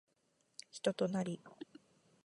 人となり